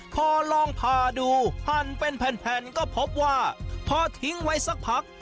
พอลองผ่าดูหั่นเป็นแผ่นก็พบว่าพอทิ้งไว้สักพัก